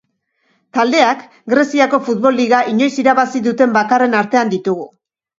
Taldeak Greziako futbol liga inoiz irabazi duten bakarren artean ditugu.